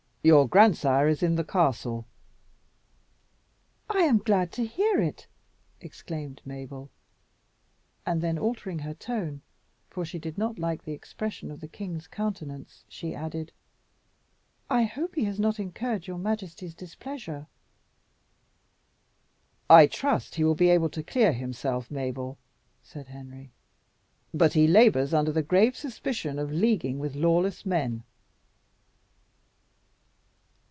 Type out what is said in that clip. "Your grandsire is in the castle." "I am glad to hear it!" exclaimed Mabel. And then, altering her tone, for she did not like the expression of the king's countenance, she added, "I hope he has not incurred your majesty's displeasure." "I trust he will be able to clear himself, Mabel," said Henry, "but he labours under the grave suspicion of leaguing with lawless men."